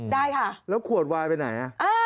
ได้ค่ะแล้วขวดวายไปไหน